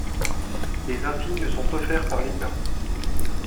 Les insignes sont offerts par l'État.